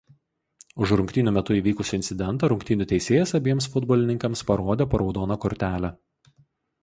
Už rungtynių metu įvykusį incidentą rungtynių teisėjas abiems futbolininkams parodė po raudoną kortelę.